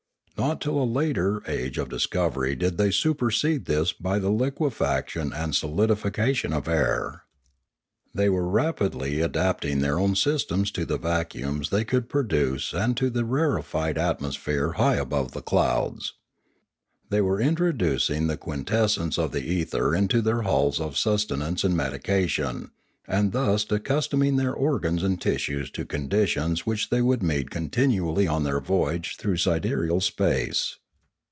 Not till a later age of discovery did they supersede this by the liquefaction and solidifi cation of air. They were rapidly adapting their own systems to the vacuums they could produce and to the rarefied atmosphere high above the clouds. They were introducing the quintessence of the ether into their halls of sustenance and medication, and thus accustom ing their organs and tissues to conditions which they would meet continually on their voyage through sid ereal space.